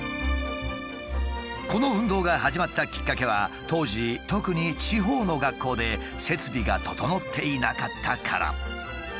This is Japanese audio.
この運動が始まったきっかけは当時特に地方の学校で設備が整っていなかったから。